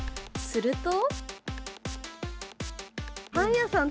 すると。